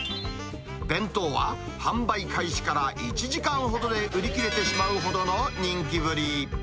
弁当は販売開始から１時間ほどで売り切れてしまうほどの人気ぶり。